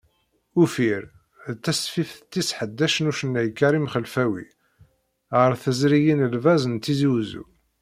"Uffir"d tasfift tis ḥdac n ucennay Karim Xelfawi, ɣer tezrigin “El Vaz” n Tizi Uzzu.